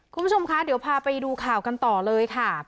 คุณผู้ชมคะเดี๋ยวพาไปดูข่าวกันต่อเลยค่ะ